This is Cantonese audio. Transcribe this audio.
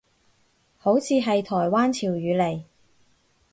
好似係台灣潮語嚟